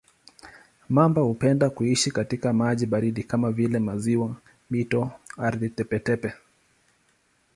Mamba hupenda kuishi katika maji baridi kama vile maziwa, mito, ardhi tepe-tepe.